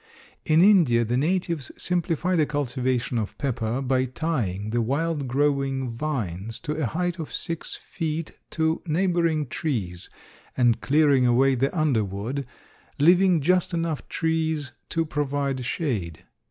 In India the natives simplify the cultivation of pepper by tying the wild growing vines to a height of six feet to neighboring trees and clearing away the under wood, leaving just enough trees to provide shade.